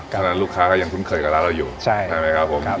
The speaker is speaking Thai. เพราะฉะนั้นลูกค้าก็ยังทุนเคิดกับร้านเราอยู่ใช่ได้ไหมครับผมครับ